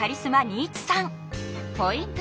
ポイント